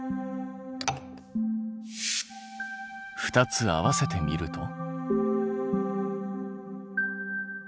２つ合わせてみると。